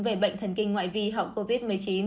về bệnh thần kinh ngoại vi hậu covid một mươi chín